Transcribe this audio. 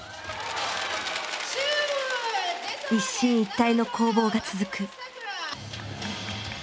一進一退の攻防が続く。